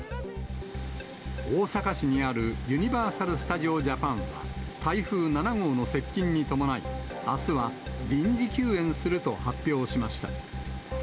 大阪市にあるユニバーサル・スタジオ・ジャパンは台風７号の接近に伴い、あすは臨時休園すると発表しました。